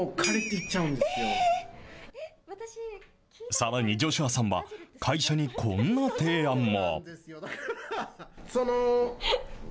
さらにジョシュアさんは、会社にこんな提案も。